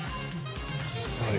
はい。